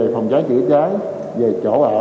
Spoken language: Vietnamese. phòng cháy chữa cháy về chỗ ở